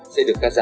sẽ được cắt giảm